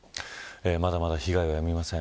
まだまだ被害はやみません。